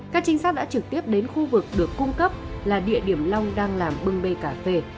các trinh sát đã trực tiếp đến khu vực được cung cấp là địa điểm long đang làm bưng bê cà phê